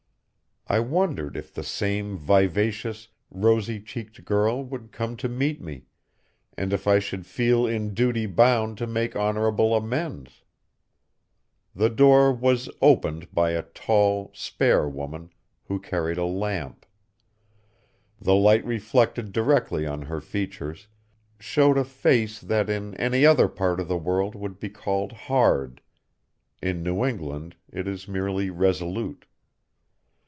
I wondered if the same vivacious, rosy cheeked girl would come to meet me, and if I should feel in duty bound to make honorable amends. The door was opened by a tall, spare woman, who carried a lamp. The light reflected directly on her features, showed a face that in any other part of the world would be called hard; in New England it is merely resolute.